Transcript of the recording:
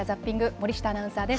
森下アナウンサーです。